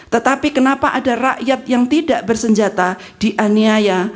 tetapi kenapa ada rakyat yang tidak bersenjata dianiaya oleh aparat yang bersenjata